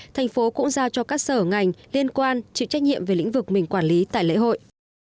thành phố cũng giao cho các sở ngành liên quan chịu trách nhiệm về lĩnh vực mình quản lý tại lễ hội